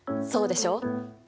そうでしょ？